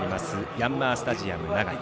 ヤンマースタジアム長居。